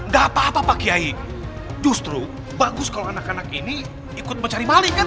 gak apa apa pak kiai justru bagus kalau anak anak ini ikut mencari balik kan